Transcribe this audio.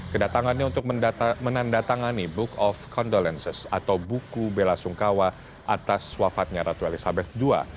kedatangannya untuk menandatangani book of condolences atau buku bella sungkawa atas wafatnya ratu elizabeth ii